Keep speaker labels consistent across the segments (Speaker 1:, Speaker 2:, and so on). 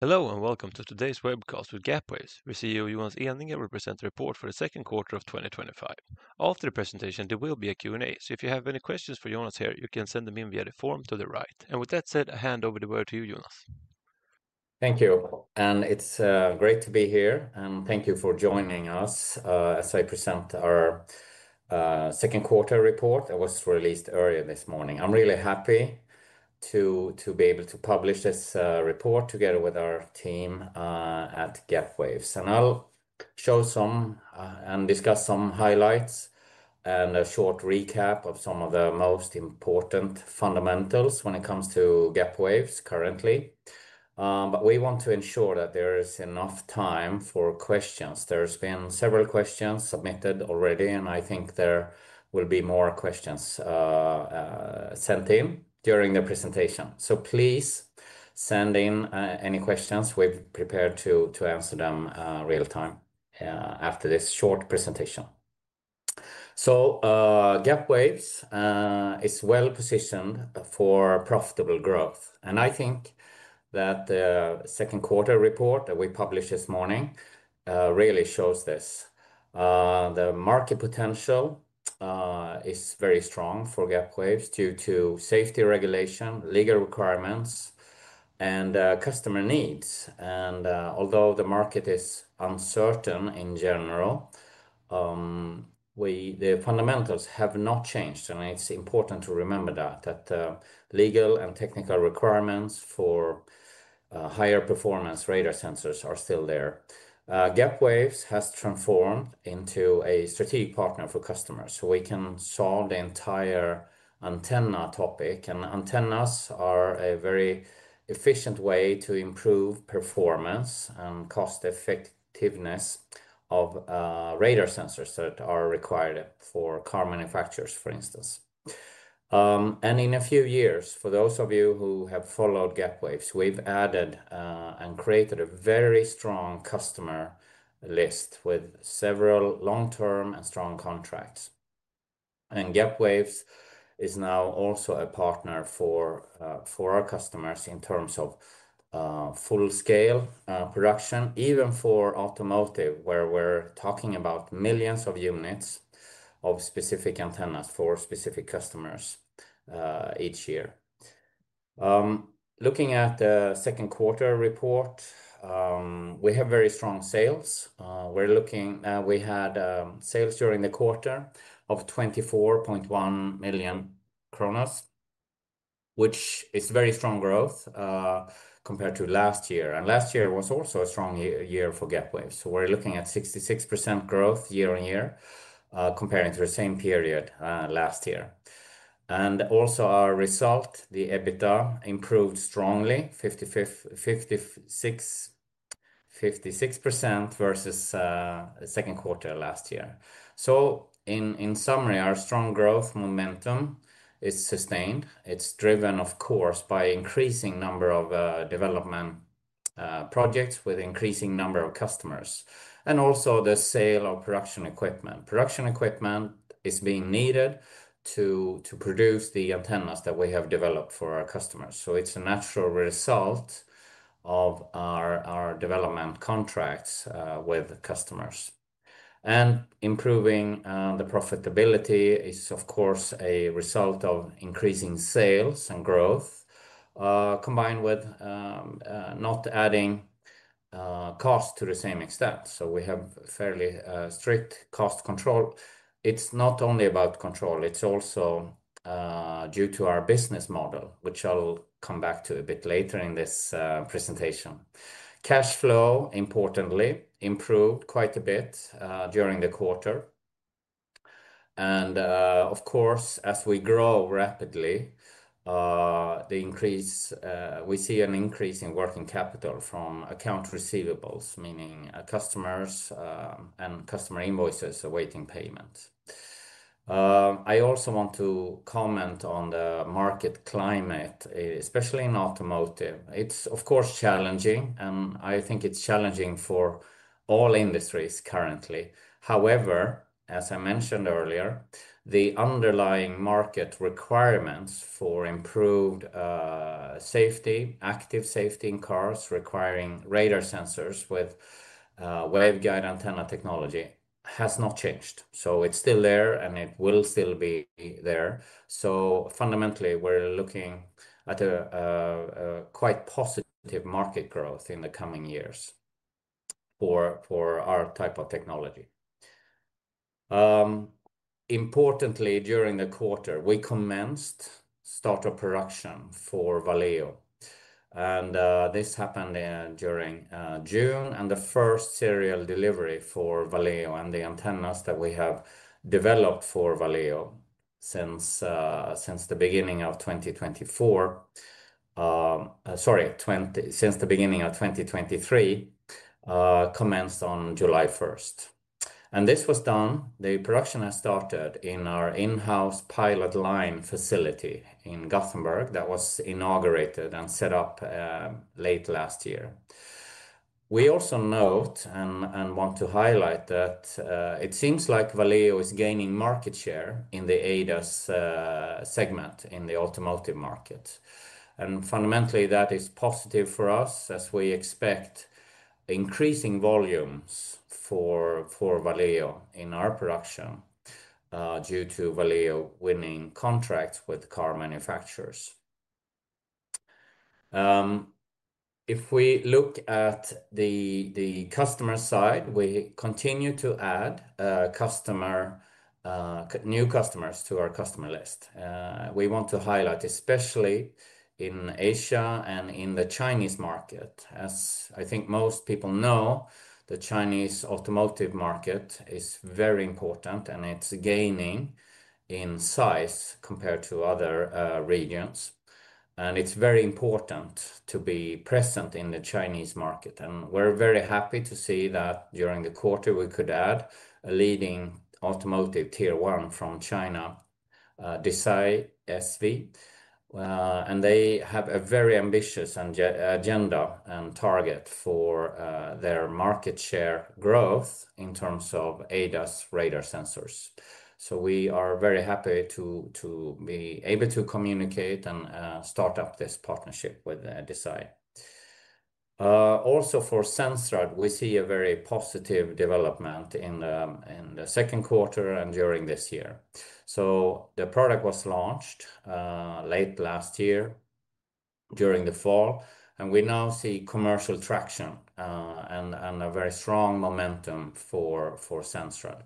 Speaker 1: Hello and welcome to today's webcast with Gapwaves. CEO, Jonas Ehinger, represent the report for the second quarter of 2025. After the presentation, there will be a Q&A, so if you have any questions for Jonas here, you can send them in via the form to the right. With that said, I hand over the word to you, Jonas.
Speaker 2: Thank you. It's great to be here, and thank you for joining us as I present our second quarter report that was released earlier this morning. I'm really happy to be able to publish this report together with our team at Gapwaves. I'll show some and discuss some highlights and a short recap of some of the most important fundamentals when it comes to Gapwaves currently. We want to ensure that there is enough time for questions. There have been several questions submitted already, and I think there will be more questions sent in during the presentation. Please send in any questions. We've prepared to answer them real time after this short presentation. Gapwaves is well positioned for profitable growth. I think that the second quarter report that we published this morning really shows this. The market potential is very strong for Gapwaves due to safety regulation, legal requirements, and customer needs. Although the market is uncertain in general, the fundamentals have not changed. It's important to remember that legal and technical requirements for higher performance radar sensors are still there. Gapwaves has transformed into a strategic partner for customers. We can solve the entire antenna topic. Antennas are a very efficient way to improve performance and cost effectiveness of radar sensors that are required for car manufacturers, for instance. In a few years, for those of you who have followed Gapwaves, we've added and created a very strong customer list with several long-term and strong contracts. Gapwaves is now also a partner for our customers in terms of full-scale production, even for automotive, where we're talking about millions of units of specific antennas for specific customers each year. Looking at the second quarter report, we have very strong sales. We had sales during the quarter of 24.1 million, which is very strong growth compared to last year. Last year was also a strong year for Gapwaves. We're looking at 66% growth year-on-year comparing to the same period last year. Also, our result, the EBITDA improved strongly, 56% versus the second quarter last year. In summary, our strong growth momentum is sustained. It's driven, of course, by an increasing number of development projects with an increasing number of customers and also the sale of production equipment. Production equipment is being needed to produce the antennas that we have developed for our customers. It's a natural result of our development contracts with customers. Improving the profitability is, of course, a result of increasing sales and growth combined with not adding cost to the same extent. We have fairly strict cost control. It's not only about control. It's also due to our business model, which I'll come back to a bit later in this presentation. Cash flow, importantly, improved quite a bit during the quarter. As we grow rapidly, we see an increase in working capital from account receivables, meaning customers and customer invoices awaiting payment. I also want to comment on the market climate, especially in automotive. It's, of course, challenging, and I think it's challenging for all industries currently. However, as I mentioned earlier, the underlying market requirements for improved safety, active safety in cars requiring radar sensors with waveguide antenna technology have not changed. It's still there, and it will still be there. Fundamentally, we're looking at a quite positive market growth in the coming years for our type of technology. Importantly, during the quarter, we commenced startup production for Valeo. This happened during June and the first serial delivery for Valeo and the antennas that we have developed for Valeo since the beginning of 2024. Sorry, since the beginning of 2023, commenced on July 1st. This was done. The production has started in our in-house pilot line facility in Gothenburg that was inaugurated and set up late last year. We also note and want to highlight that it seems like Valeo is gaining market share in the ADAS segment in the automotive market. Fundamentally, that is positive for us as we expect increasing volumes for Valeo in our production due to Valeo winning contracts with car manufacturers. If we look at the customer side, we continue to add new customers to our customer list. We want to highlight, especially in Asia and in the Chinese market. As I think most people know, the Chinese automotive market is very important, and it's gaining in size compared to other regions. It's very important to be present in the Chinese market. We're very happy to see that during the quarter, we could add a leading automotive tier 1 from China, Desay SV. They have a very ambitious agenda and target for their market share growth in terms of ADAS radar sensors. We are very happy to be able to communicate and start up this partnership with Desay. Also, for Sensrad, we see a very positive development in the second quarter and during this year. The product was launched late last year during the fall, and we now see commercial traction and a very strong momentum for Sensrad.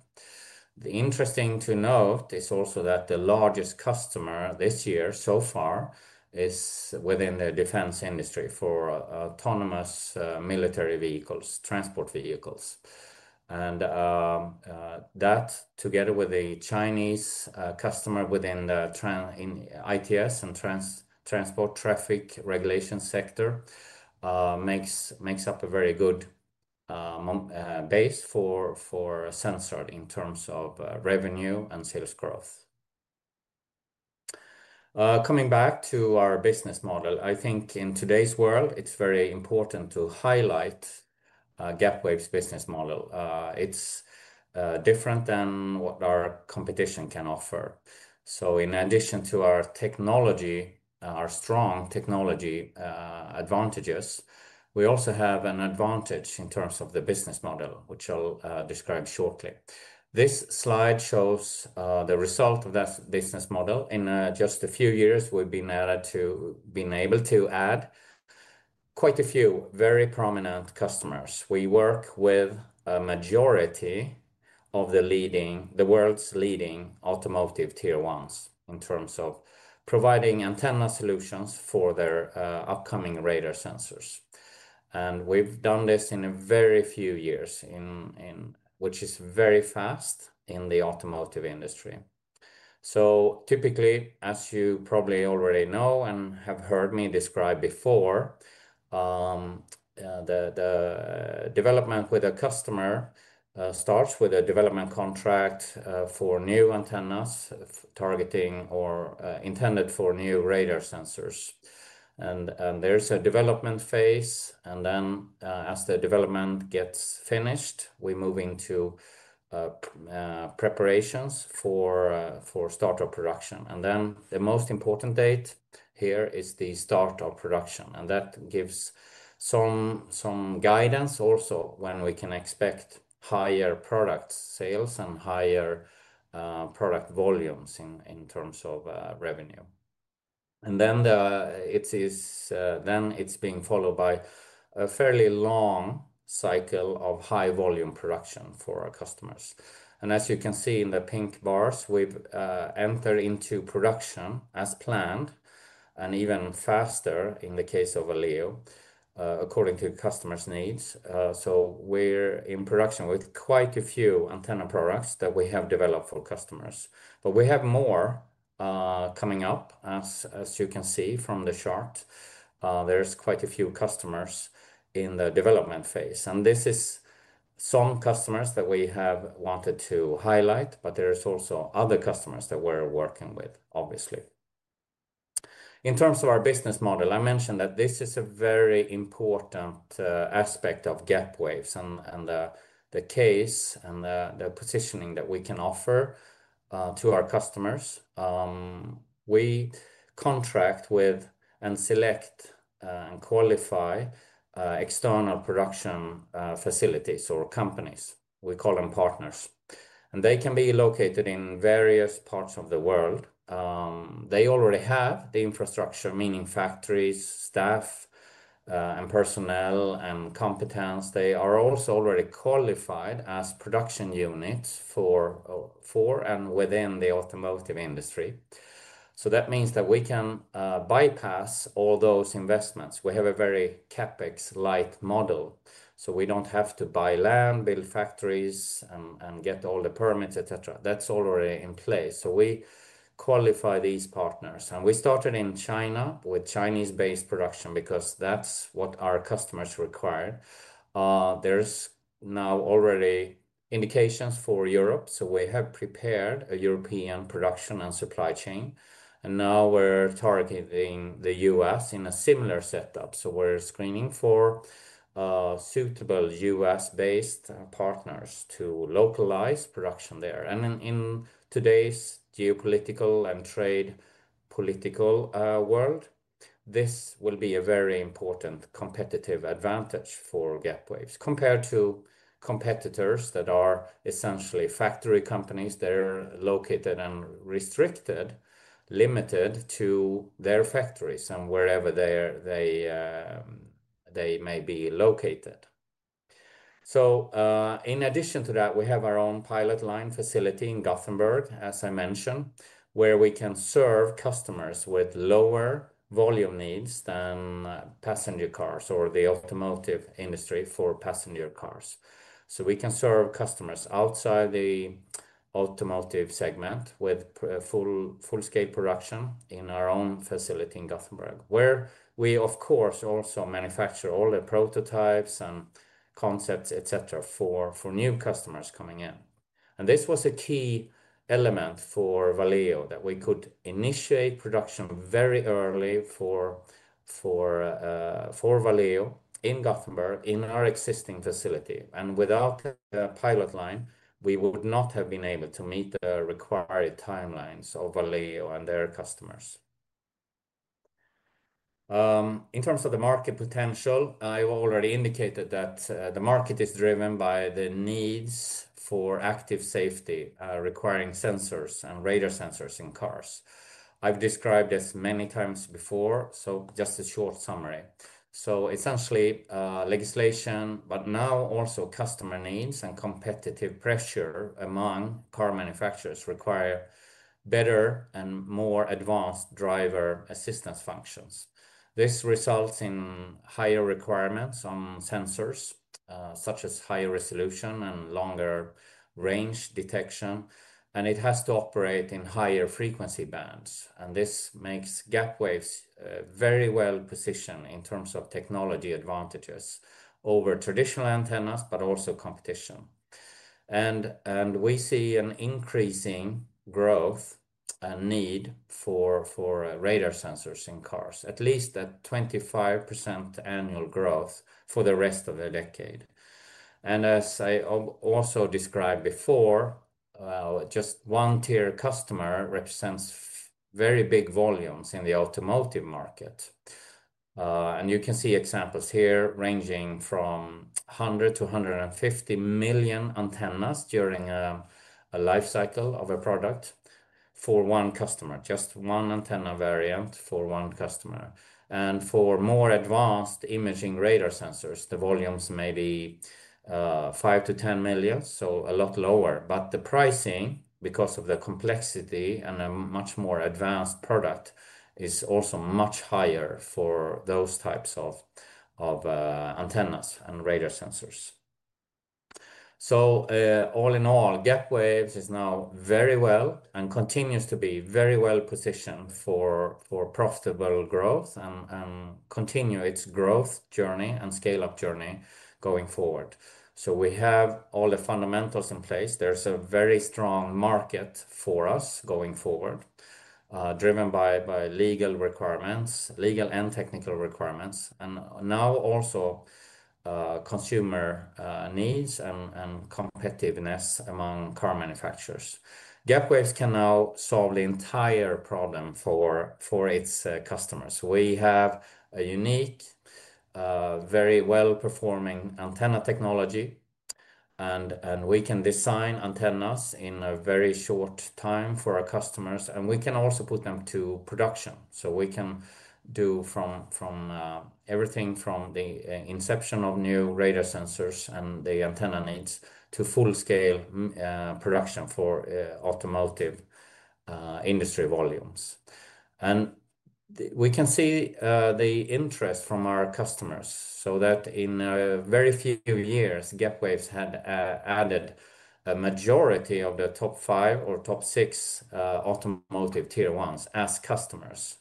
Speaker 2: Interesting to note is also that the largest customer this year so far is within the defense industry for autonomous military vehicles, transport vehicles. That, together with the Chinese customer within the ITS and transport traffic regulation sector, makes up a very good base for Sensrad in terms of revenue and sales growth. Coming back to our business model, I think in today's world, it's very important to highlight Gapwaves' business model. It's different than what our competition can offer. In addition to our technology, our strong technology advantages, we also have an advantage in terms of the business model, which I'll describe shortly. This slide shows the result of that business model. In just a few years, we've been able to add quite a few very prominent customers. We work with a majority of the world's leading automotive tier 1s in terms of providing antenna solutions for their upcoming radar sensors. We've done this in a very few years, which is very fast in the automotive industry. Typically, as you probably already know and have heard me describe before, the development with a customer starts with a development contract for new antennas targeting or intended for new radar sensors. There's a development phase, and then as the development gets finished, we move into preparations for startup production. The most important date here is the startup production. That gives some guidance also when we can expect higher product sales and higher product volumes in terms of revenue. Then it's being followed by a fairly long cycle of high volume production for our customers. As you can see in the pink bars, we enter into production as planned and even faster in the case of Valeo, according to customers' needs. We're in production with quite a few antenna products that we have developed for customers. We have more coming up, as you can see from the chart. There's quite a few customers in the development phase. These are some customers that we have wanted to highlight, but there are also other customers that we're working with, obviously. In terms of our business model, I mentioned that this is a very important aspect of Gapwaves and the case and the positioning that we can offer to our customers. We contract with and select and qualify external production facilities or companies. We call them partners, and they can be located in various parts of the world. They already have the infrastructure, meaning factories, staff, personnel, and competence. They are also already qualified as production units for and within the automotive industry. That means we can bypass all those investments. We have a very CapEx-light model, so we don't have to buy land, build factories, and get all the permits, etc. That's already in place. We qualify these partners. We started in China with Chinese-based production because that's what our customers require. There are now already indications for Europe, so we have prepared a European production and supply chain. We are targeting the U.S. in a similar setup. We are screening for suitable U.S.-based partners to localize production there. In today's geopolitical and trade political world, this will be a very important competitive advantage for Gapwaves compared to competitors that are essentially factory companies that are located and restricted, limited to their factories and wherever they may be located. In addition to that, we have our own pilot line facility in Gothenburg, as I mentioned, where we can serve customers with lower volume needs than passenger cars or the automotive industry for passenger cars. We can serve customers outside the automotive segment with full-scale production in our own facility in Gothenburg, where we, of course, also manufacture all the prototypes and concepts, etc., for new customers coming in. This was a key element for Valeo, that we could initiate production very early for Valeo in Gothenburg in our existing facility. Without a pilot line, we would not have been able to meet the required timelines of Valeo and their customers. In terms of the market potential, I've already indicated that the market is driven by the needs for active safety requiring sensors and radar sensors in cars. I've described this many times before, so just a short summary. Essentially, legislation, but now also customer needs and competitive pressure among car manufacturers require better and more advanced driver assistance functions. This results in higher requirements on sensors, such as higher resolution and longer range detection. It has to operate in higher frequency bands. This makes Gapwaves very well positioned in terms of technology advantages over traditional antennas, but also competition. We see an increasing growth and need for radar sensors in cars, at least a 25% annual growth for the rest of the decade. As I also described before, just one tier 1 customer represents very big volumes in the automotive market. You can see examples here ranging from 100 million-150 million antennas during a lifecycle of a product for one customer, just one antenna variant for one customer. For more advanced imaging radar sensors, the volumes may be 5 million-10 million, so a lot lower. The pricing, because of the complexity and the much more advanced product, is also much higher for those types of antennas and radar sensors. All in all, Gapwaves is now very well and continues to be very well positioned for profitable growth and continue its growth journey and scale-up journey going forward. We have all the fundamentals in place. There's a very strong market for us going forward, driven by legal requirements, legal and technical requirements, and now also consumer needs and competitiveness among car manufacturers. Gapwaves can now solve the entire problem for its customers. We have a unique, very well-performing antenna technology, and we can design antennas in a very short time for our customers, and we can also put them to production. We can do everything from the inception of new radar sensors and the antenna needs to full-scale production for automotive industry volumes. We can see the interest from our customers so that in very few years, Gapwaves had added a majority of the top five or top six automotive tier 1s as customers.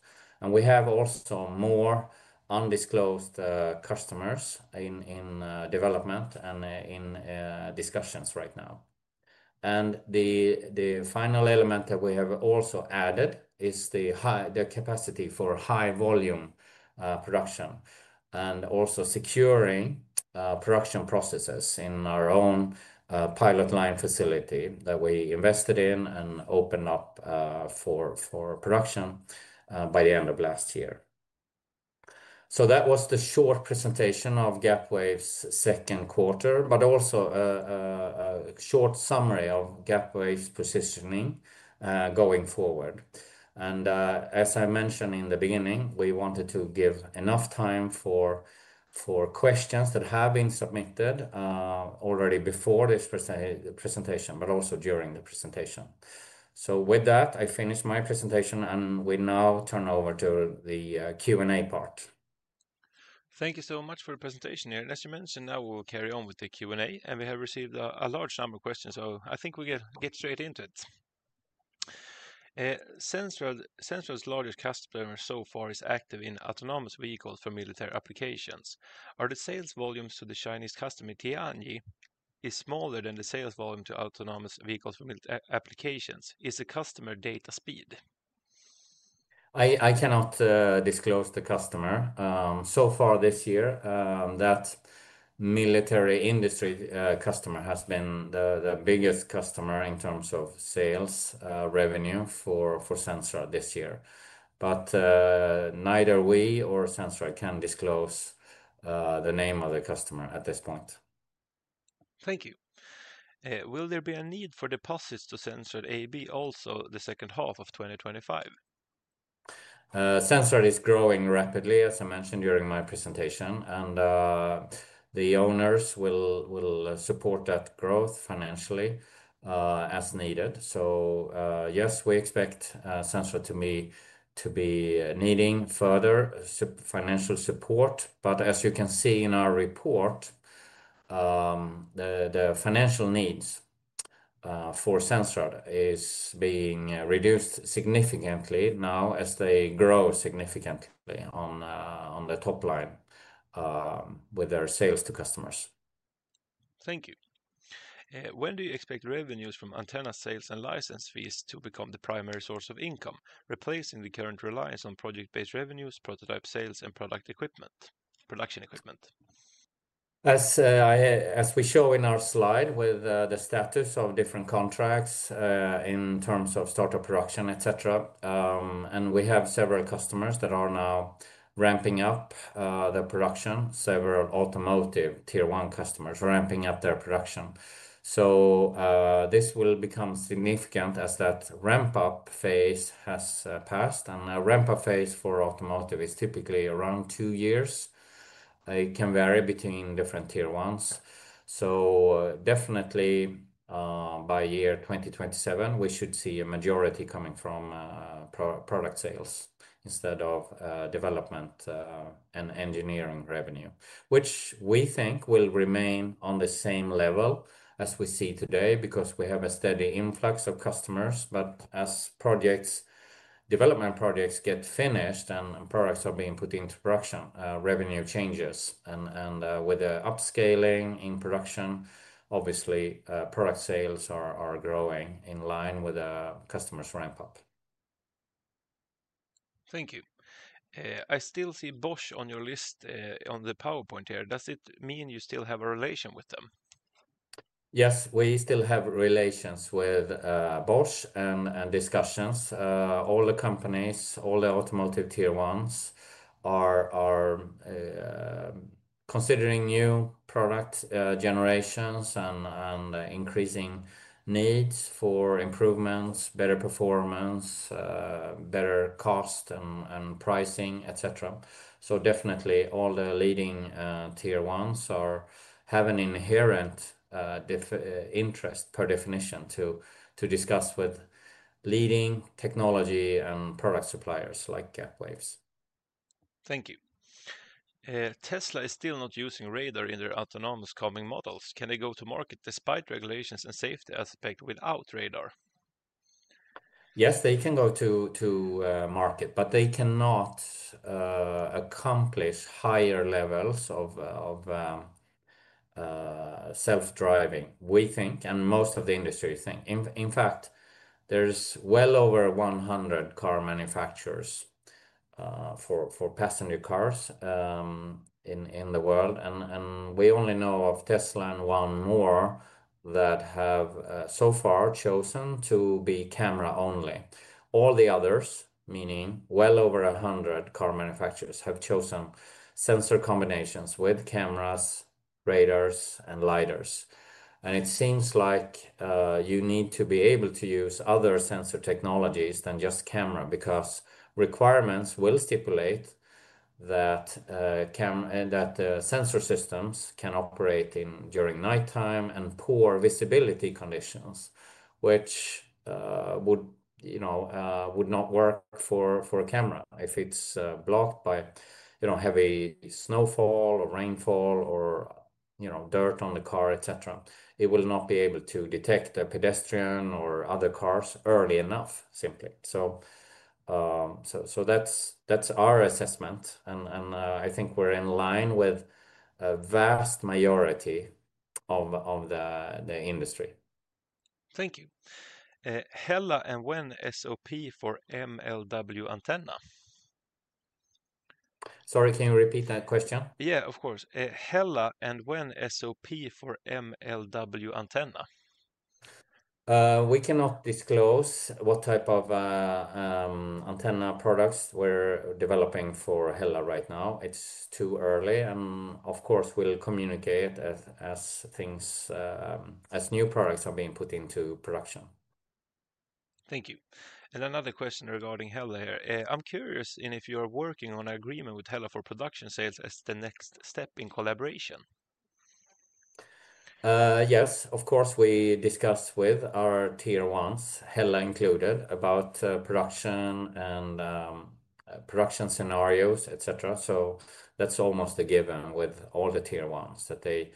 Speaker 2: We have also more undisclosed customers in development and in discussions right now. The final element that we have also added is the capacity for high volume production and also securing production processes in our own pilot line facility that we invested in and opened up for production by the end of last year. That was the short presentation of Gapwaves' second quarter, but also a short summary of Gapwaves' positioning going forward. As I mentioned in the beginning, we wanted to give enough time for questions that have been submitted already before this presentation, but also during the presentation. With that, I finish my presentation, and we now turn over to the Q&A part.
Speaker 1: Thank you so much for the presentation. As you mentioned, now we'll carry on with the Q&A, and we have received a large number of questions. I think we can get straight into it. Sensrad's largest customer so far is active in autonomous vehicles for military applications. Are the sales volumes to the Chinese customer Tianji smaller than the sales volume to autonomous vehicles for military applications? Is the customer data speed?
Speaker 2: I cannot disclose the customer. So far this year, that military industry customer has been the biggest customer in terms of sales revenue for Sensrad this year. Neither we nor Sensrad can disclose the name of the customer at this point.
Speaker 1: Thank you. Will there be a need for deposits to Sensrad also the second half of 2025?
Speaker 2: Sensrad is growing rapidly, as I mentioned during my presentation, and the owners will support that growth financially as needed. Yes, we expect Sensrad to be needing further financial support. As you can see in our report, the financial needs for Sensrad are being reduced significantly now as they grow significantly on the top line with their sales to customers.
Speaker 1: Thank you. When do you expect revenues from antenna sales and license fees to become the primary source of income, replacing the current reliance on project-based revenues, prototype sales, and production equipment?
Speaker 2: As we show in our slide with the status of different contracts in terms of startup production, etc., we have several customers that are now ramping up their production, several automotive tier 1 customers ramping up their production. This will become significant as that ramp-up phase has passed. A ramp-up phase for automotive is typically around two years. It can vary between different tier 1s. By year 2027, we should see a majority coming from product sales instead of development and engineering revenue, which we think will remain on the same level as we see today because we have a steady influx of customers. As development projects get finished and products are being put into production, revenue changes. With the upscaling in production, obviously, product sales are growing in line with customers' ramp-up.
Speaker 1: Thank you. I still see Bosch on your list on the PowerPoint here. Does it mean you still have a relation with them?
Speaker 2: Yes, we still have relations with Bosch and discussions. All the companies, all the automotive tier 1s are considering new product generations and increasing needs for improvements, better performance, better cost, and pricing, etc. Definitely, all the leading tier 1s have an inherent interest per definition to discuss with leading technology and product suppliers like Gapwaves.
Speaker 1: Thank you. Tesla is still not using radar in their autonomous car model. Can they go to market despite regulations and safety aspects without radar?
Speaker 2: Yes, they can go to market, but they cannot accomplish higher levels of self-driving, we think, and most of the industry thinks. In fact, there's well over 100 car manufacturers for passenger cars in the world. We only know of Tesla and one more that have so far chosen to be camera only. All the others, meaning well over 100 car manufacturers, have chosen sensor combinations with cameras, radars, and LiDARs. It seems like you need to be able to use other sensor technologies than just camera because requirements will stipulate that sensor systems can operate during nighttime and poor visibility conditions, which would not work for a camera. If it's blocked by heavy snowfall or rainfall or dirt on the car, it will not be able to detect a pedestrian or other cars early enough, simply. That's our assessment. I think we're in line with a vast majority of the industry.
Speaker 1: Thank you. Hella and when SOP for MLW antenna?
Speaker 2: Sorry, can you repeat that question?
Speaker 1: Yeah, of course. Hella and when SOP for MLW antenna?
Speaker 2: We cannot disclose what type of antenna products we're developing for Hella right now. It's too early. Of course, we'll communicate as new products are being put into production.
Speaker 1: Thank you. Another question regarding Hella here. I'm curious if you're working on an agreement with Hella for production sales as the next step in collaboration.
Speaker 2: Yes, of course, we discuss with our tier 1s, Hella included, about production and production scenarios, etc. That's almost a given with all the tier 1s that they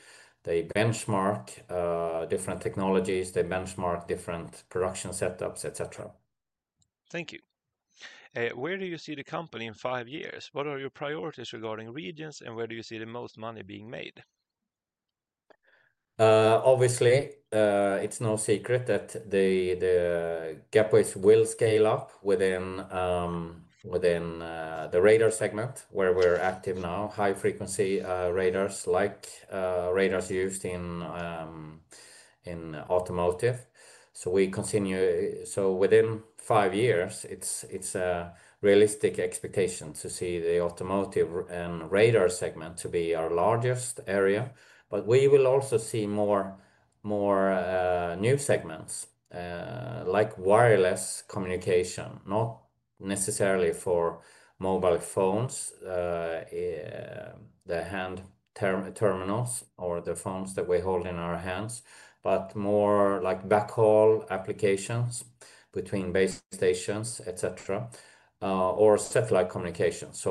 Speaker 2: benchmark different technologies, they benchmark different production setups, etc.
Speaker 1: Thank you. Where do you see the company in five years? What are your priorities regarding regions, and where do you see the most money being made?
Speaker 2: Obviously, it's no secret that Gapwaves will scale up within the radar segment where we're active now, high-frequency radars like radars used in automotive. Within five years, it's a realistic expectation to see the automotive and radar segment to be our largest area. We will also see more new segments like wireless communication, not necessarily for mobile phones, the hand terminals or the phones that we hold in our hands, but more like backhaul applications between base stations, etc., or satellite communications.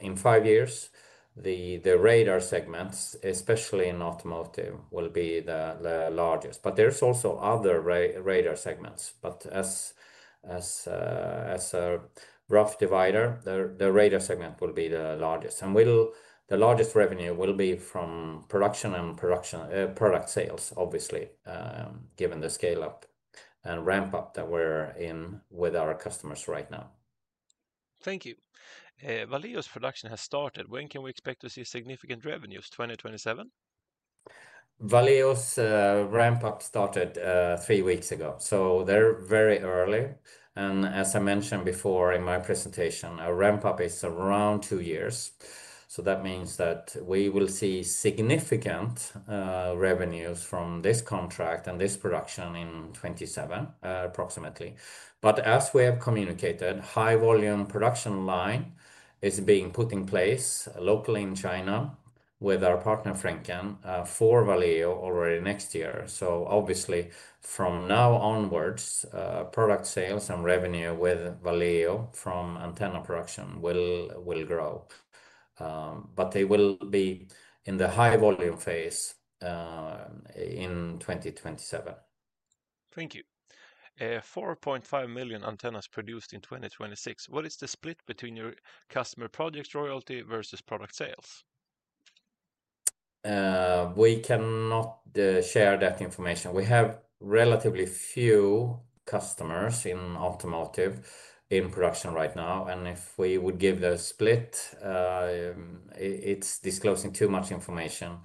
Speaker 2: In five years, the radar segments, especially in automotive, will be the largest. There's also other radar segments. As a rough divider, the radar segment will be the largest. The largest revenue will be from production and product sales, obviously, given the scale-up and ramp-up that we're in with our customers right now.
Speaker 1: Thank you. Valeo's production has started. When can we expect to see significant revenues? 2027?
Speaker 2: Valeo's ramp-up started three weeks ago. They're very early. As I mentioned before in my presentation, our ramp-up is around two years. That means we will see significant revenues from this contract and this production in 2027, approximately. As we have communicated, a high-volume production line is being put in place locally in China with our partner Franken for Valeo already next year. Obviously, from now onwards, product sales and revenue with Valeo from antenna production will grow, but they will be in the high-volume phase in 2027.
Speaker 1: Thank you. 4.5 million antennas produced in 2026. What is the split between your customer project royalty versus product sales?
Speaker 2: We cannot share that information. We have relatively few customers in automotive in production right now. If we would give the split, it's disclosing too much information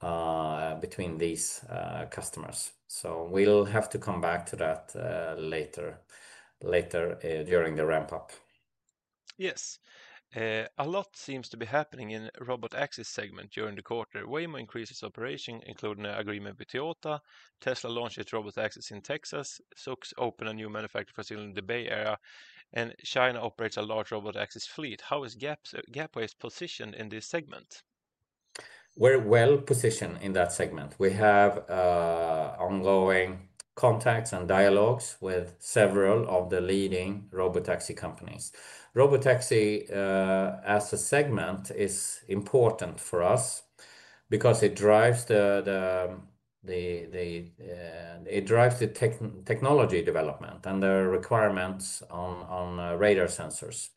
Speaker 2: between these customers. We'll have to come back to that later during the ramp-up.
Speaker 1: Yes. A lot seems to be happening in the Robotaxis segment during the quarter. Waymo increases operation, including an agreement with Toyota. Tesla launches Robotaxis in Texas. Zoox opens a new manufacturing facility in the Bay Area. China operates a large Robotaxis fleet. How is Gapwaves positioned in this segment?
Speaker 2: We're well positioned in that segment. We have ongoing contacts and dialogues with several of the leading Robotaxi companies. Robotaxi as a segment is important for us because it drives the technology development and the requirements on radar sensors.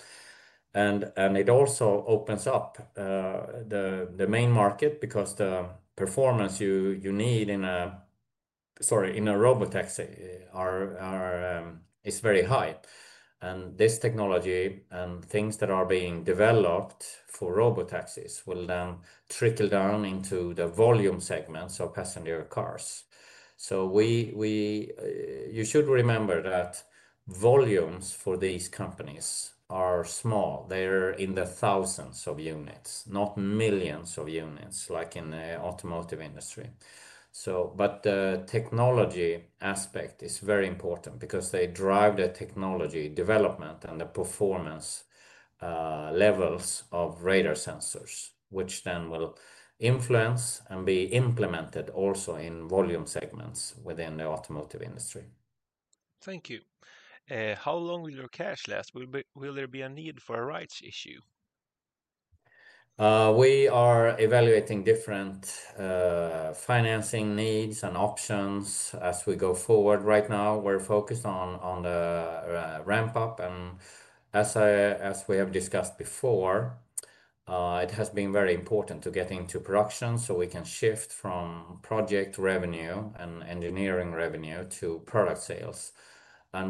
Speaker 2: It also opens up the main market because the performance you need in a Robotaxi is very high. This technology and things that are being developed for Robotaxis will then trickle down into the volume segments of passenger cars. You should remember that volumes for these companies are small. They're in the thousands of units, not millions of units like in the automotive industry. The technology aspect is very important because they drive the technology development and the performance levels of radar sensors, which then will influence and be implemented also in volume segments within the automotive industry.
Speaker 1: Thank you. How long will your cash last? Will there be a need for a rights issue?
Speaker 2: We are evaluating different financing needs and options as we go forward. Right now, we're focused on the ramp-up. As we have discussed before, it has been very important to get into production so we can shift from project revenue and engineering revenue to product sales.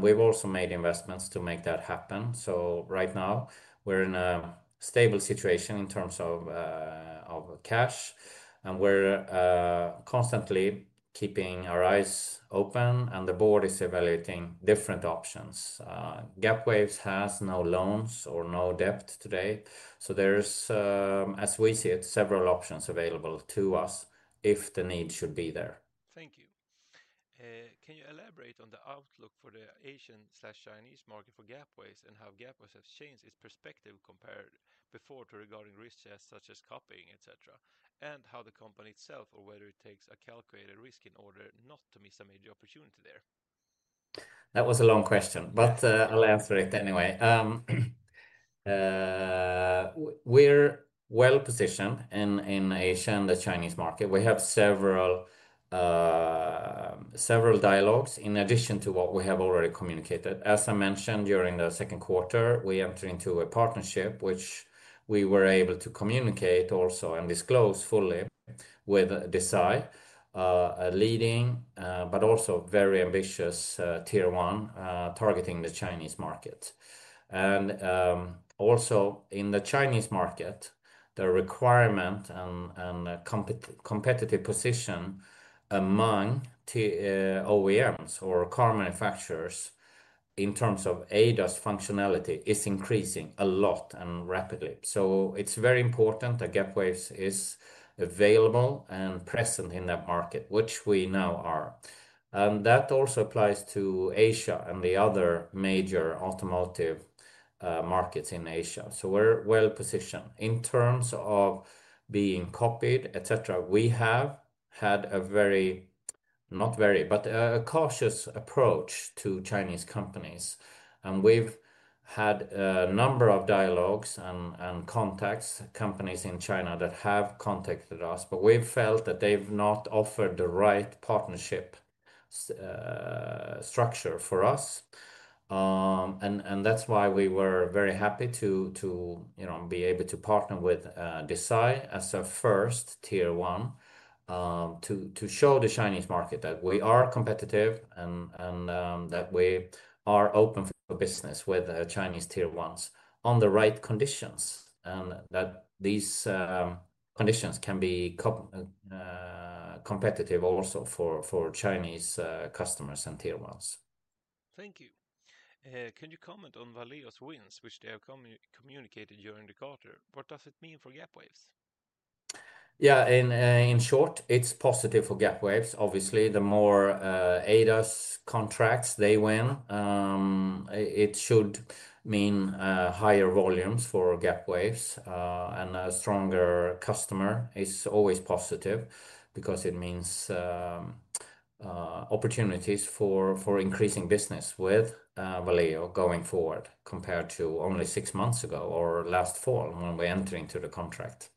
Speaker 2: We've also made investments to make that happen. Right now, we're in a stable situation in terms of cash. We're constantly keeping our eyes open, and the board is evaluating different options. Gapwaves has no loans or no debt today. As we see it, there are several options available to us if the need should be there.
Speaker 1: Thank you. Can you elaborate on the outlook for the Asian/Chinese market for Gapwaves and how Gapwaves has changed its perspective compared before to regarding risks such as copying, etc., and how the company itself or whether it takes a calculated risk in order not to miss a major opportunity there?
Speaker 2: That was a long question, but I'll answer it anyway. We're well positioned in the Asian and the Chinese market. We have several dialogues in addition to what we have already communicated. As I mentioned, during the second quarter, we entered into a partnership, which we were able to communicate also and disclose fully with Desay, a leading but also very ambitious tier 1 targeting the Chinese market. In the Chinese market, the requirement and the competitive position among OEMs or car manufacturers in terms of ADAS functionality is increasing a lot and rapidly. It's very important that Gapwaves is available and present in that market, which we now are. That also applies to Asia and the other major automotive markets in Asia. We're well positioned. In terms of being copied, etc., we have had a cautious approach to Chinese companies. We've had a number of dialogues and contacts, companies in China that have contacted us, but we've felt that they've not offered the right partnership structure for us. That's why we were very happy to be able to partner with Desay as our first tier 1 to show the Chinese market that we are competitive and that we are open for business with the Chinese tier 1s on the right conditions. These conditions can be competitive also for Chinese customers and tier 1s.
Speaker 1: Thank you. Can you comment on Valeo's wins, which they have communicated during the quarter? What does it mean for Gapwaves?
Speaker 2: Yeah, in short, it's positive for Gapwaves. Obviously, the more ADAS contracts they win, it should mean higher volumes for Gapwaves. A stronger customer is always positive because it means opportunities for increasing business with Valeo going forward compared to only six months ago or last fall when we entered into the contract.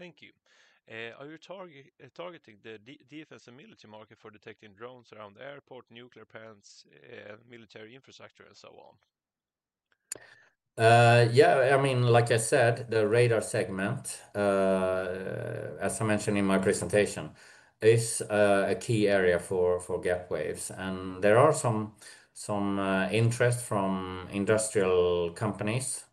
Speaker 1: Thank you. Are you targeting the defense and military market for detecting drones around the airport, nuclear plants, military infrastructure, and so on?
Speaker 2: Yeah, I mean, like I said, the radar segment, as I mentioned in my presentation, is a key area for Gapwaves. There are some interests from industrial companies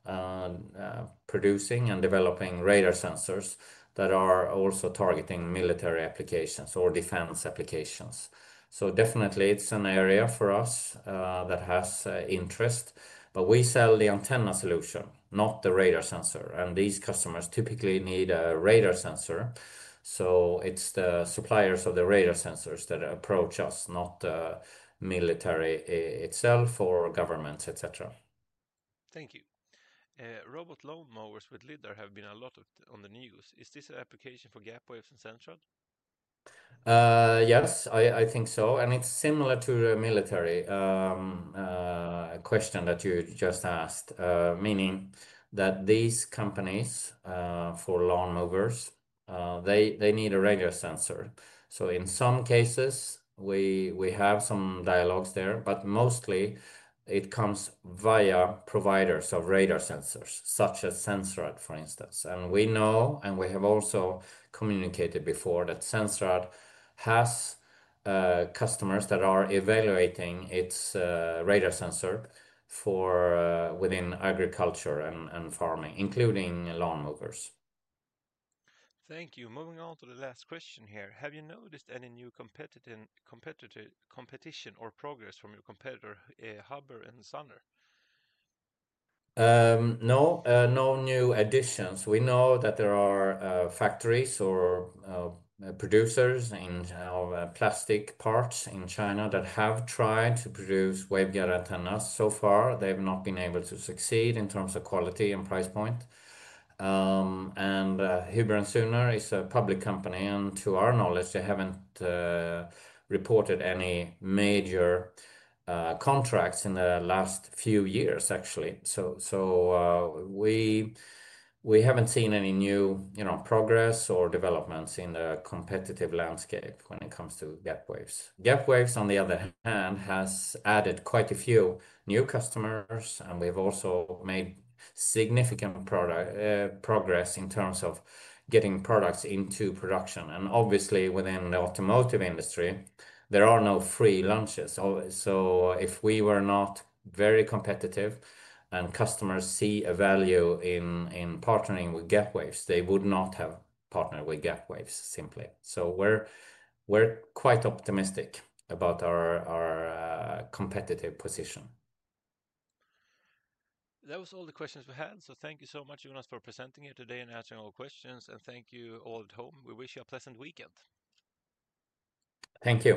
Speaker 2: producing and developing radar sensors that are also targeting military applications or defense applications. It is definitely an area for us that has interest. We sell the antenna solution, not the radar sensor, and these customers typically need a radar sensor. It is the suppliers of the radar sensors that approach us, not the military itself or governments, etc.
Speaker 1: Thank you. Robot lawnmowers with LiDAR have been a lot on the news. Is this an application for Gapwaves and Sensrad?
Speaker 2: Yes, I think so. It's similar to the military question that you just asked, meaning that these companies for lawnmowers need a radar sensor. In some cases, we have some dialogues there, but mostly it comes via providers of radar sensors, such as Sensrad, for instance. We know, and we have also communicated before, that Sensrad has customers that are evaluating its radar sensor within agriculture and farming, including lawnmowers.
Speaker 1: Thank you. Moving on to the last question here. Have you noticed any new competition or progress from your competitor, HUBER+SUHNER?
Speaker 2: No, no new additions. We know that there are factories or producers of plastic parts in China that have tried to produce waveguide antennas. So far, they've not been able to succeed in terms of quality and price point. HUBER+SUHNER is a public company, and to our knowledge, they haven't reported any major contracts in the last few years, actually. We haven't seen any new progress or developments in the competitive landscape when it comes to Gapwaves. Gapwaves, on the other hand, has added quite a few new customers, and we've also made significant progress in terms of getting products into production. Obviously, within the automotive industry, there are no free lunches. If we were not very competitive and customers see a value in partnering with Gapwaves, they would not have partnered with Gapwaves simply. We're quite optimistic about our competitive position.
Speaker 1: That was all the questions we had. Thank you so much, Jonas, for presenting here today and answering all questions. Thank you all at home. We wish you a pleasant weekend.
Speaker 2: Thank you.